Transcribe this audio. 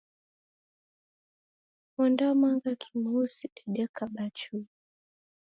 Wondamanga kimusi, dedekaba chui.